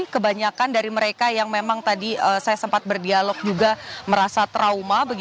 kebanyakan dari mereka yang memang tadi saya sempat berdialog juga merasa trauma